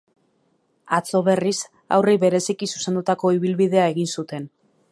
Atzo, berriz, haurrei bereziki zuzendutako ibilbidea egin zuten.